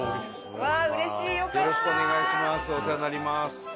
お世話になります。